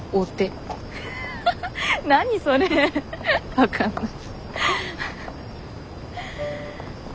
分かんない。